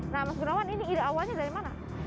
nah mas gunawan ini ide awalnya dari mana